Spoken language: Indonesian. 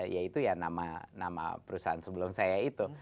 yaitu ya nama perusahaan sebelum saya itu